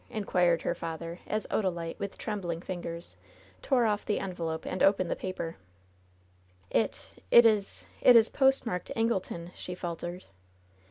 inquired her father, as Oda lite, with trembling fingers, tore off the envelope and opened the paper* 88 LOVE'S BITTEREST CUP "It — it is — ^it is postmarked Angleton," she faltered.